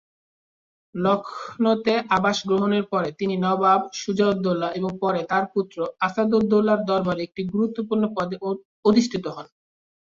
লখনউতে আবাস গ্রহণের পরে, তিনি নবাব সুজা-উদ-দৌলা এবং পরে তাঁর পুত্র আসফ-উদ-দৌলার দরবারে একটি গুরুত্বপূর্ণ পদে অধিষ্ঠিত হন।